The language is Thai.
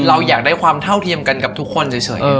เราอยากได้ความเท่าเทียมกันกับทุกคนเฉย